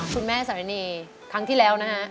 คุณแม่สารณีครั้งที่แล้วนะฮะ